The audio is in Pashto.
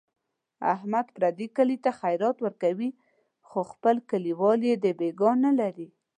احمد پردي کلي ته خیرات ورکوي، خو خپل کلیوال یې دبیګاه نه لري.